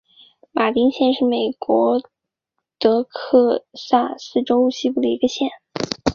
马丁县是美国德克萨斯州西部的一个县。